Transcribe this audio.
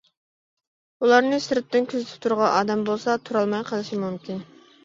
بۇلارنى سىرتتىن كۆزىتىپ تۇرغان ئادەم بولسا تۇرالماي قېلىشى مۇمكىن.